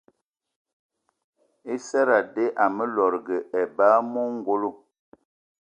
I seradé ame lòdgì eba eme ongolo.